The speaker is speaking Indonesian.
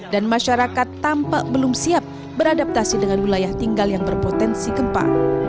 dan masyarakat tampak belum siap beradaptasi dengan wilayah tinggal yang berpotensi gempa